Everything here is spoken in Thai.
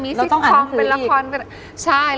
แล้วต้องอ่านหนังสืออีก